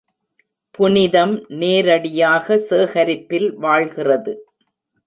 புனிதம் நேரடியாக சேகரிப்பில் வாழ்கிறது.